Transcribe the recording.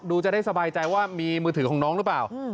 จะได้สบายใจว่ามีมือถือของน้องหรือเปล่า